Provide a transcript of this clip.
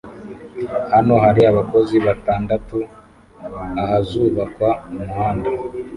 Hano hari abakozi batandatu ahazubakwa umuhanda